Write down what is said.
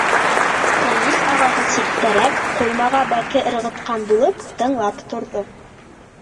Фәнис ағаһы ситтәрәк, ҡоймаға бәке ырғытҡан булып, тыңлап торҙо.